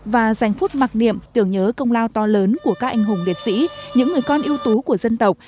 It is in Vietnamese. và dành phút mặc niệm tưởng nhớ công lao to lớn của các anh hùng liệt sĩ những người con ưu tú của dân tộc